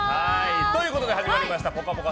ということで始まりました「ぽかぽか」